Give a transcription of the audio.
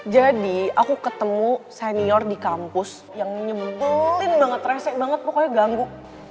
jadi aku ketemu senior di kampus yang nyebelin banget resep banget pokoknya ganggu